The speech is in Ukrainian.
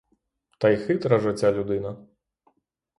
Та й хитра ж оця людина!